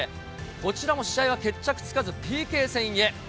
こちらも試合は決着つかず、ＰＫ戦へ。